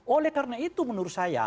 oleh karena itu menurut saya